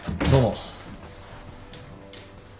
どうも。